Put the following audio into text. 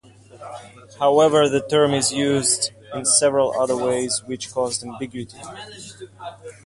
However, the term is used in several other ways, which causes ambiguity.